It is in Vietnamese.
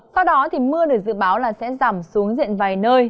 sau đó thì mưa được dự báo là sẽ giảm xuống diện vài nơi